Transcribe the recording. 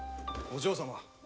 お嬢様！